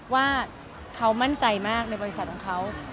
ว่าเขามั่นใจมากในบริษัทของเขา